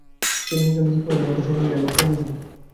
সে নির্জন দ্বিপ্রহরের মতো শব্দহীন এবং সঙ্গীহীন।